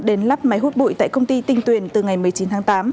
đến lắp máy hút bụi tại công ty tinh tuyền từ ngày một mươi chín tháng tám